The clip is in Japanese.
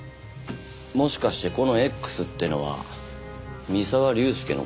もしかしてこのＸってのは三沢龍介の事じゃねえのか？